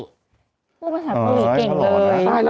พูดภาษาเกาหลีเก่งเลย